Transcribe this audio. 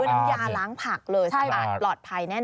ด้วยน้ำยาล้างผักเลยสะอาดปลอดภัยแน่นอน